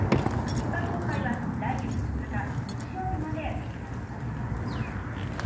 一般公開は来月２日日曜日まで行われます。